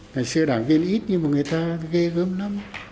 ngày xưa đảng viên ít như một người ta ghê gớm lắm